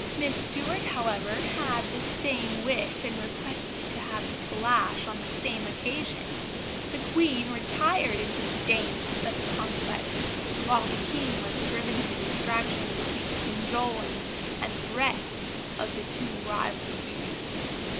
"Miss Stuart, however, had the same wish and requested to have the calash on the same occasion. The Queen retired in disdain from such a contest, while the King was driven to distraction between the cajoling and threats of the two rival beauties."